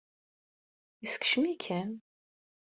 Yeskcem-ikem?